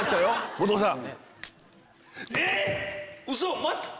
後藤さん。